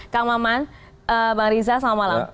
kang maman bang riza selamat malam